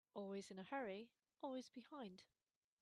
Always in a hurry, always behind.